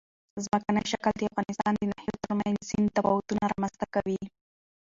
ځمکنی شکل د افغانستان د ناحیو ترمنځ ځینې تفاوتونه رامنځ ته کوي.